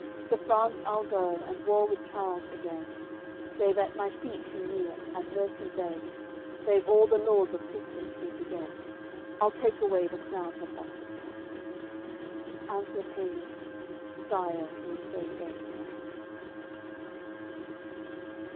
To France I'll go, and war with Charles again; Save at my feet he kneel, and mercy beg, Save all the laws of Christians he forget, I'll take away the crown from off his head." Answer pagans: "Sire, you say very well."